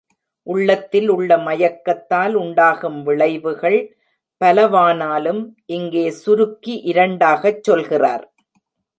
உள்ளத்தில் உள்ள மயக்கத்தால் உண்டாகும் விளைவுகள் பலவானாலும் இங்கே சுருக்கி இரண்டாகச் சொல்கிறார்.